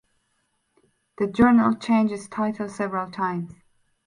The journal changed its title several times.